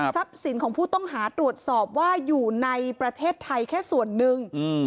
สินของผู้ต้องหาตรวจสอบว่าอยู่ในประเทศไทยแค่ส่วนหนึ่ง